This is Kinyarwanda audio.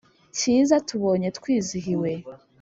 Cyiza tubonye twizihiwe